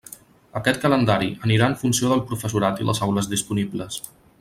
Aquest calendari anirà en funció del professorat i les aules disponibles.